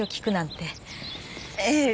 ええ。